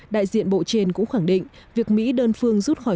đại diện bộ trên cũng khẳng định việc mỹ đơn phương rút khỏi